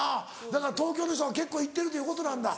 だから東京の人が結構行ってるということなんだ